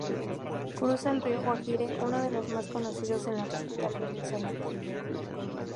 Cruza el río Guaire uno de los más conocidos de la capital venezolana.